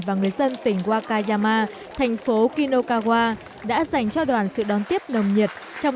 và người dân tỉnh wakayama thành phố kinokawa đã dành cho đoàn sự đón tiếp nồng nhiệt trong